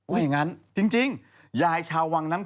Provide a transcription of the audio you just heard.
ว่าอย่างนั้น